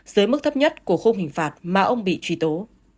dưới mức thấp nhất của khung hình phạt mà ông bị truy tố